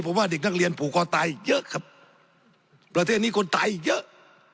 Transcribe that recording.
ผมว่าเด็กนักเรียนผูกคอตายเยอะครับประเทศนี้คนตายเยอะ